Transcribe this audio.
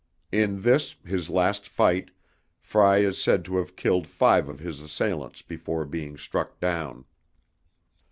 In this, his last fight, Frey is said to have killed five of his assailants before being struck down.